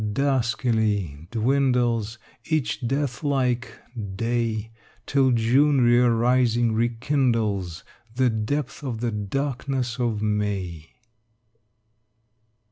Duskily dwindles Each deathlike day, Till June rearising rekindles The depth of the darkness of May.